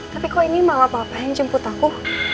tapi kok ini malah bapak yang jemput aku